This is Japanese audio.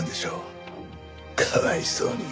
かわいそうに。